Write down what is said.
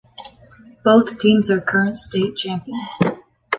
Both teams are current state champions.